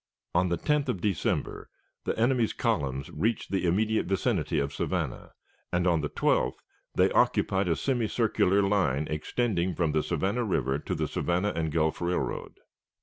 On the 10th of December the enemy's columns reached the immediate vicinity of Savannah, and on the 12th they occupied a semicircular line extending from the Savannah River to the Savannah and Gulf Railroad.